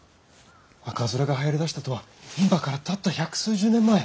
赤面がはやりだしたとは今からたった百数十年前！